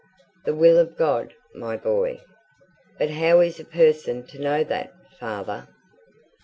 "The will of God, my boy." "But how is a person to know that, father?"